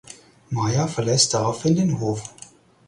Maja verlässt daraufhin den Hof.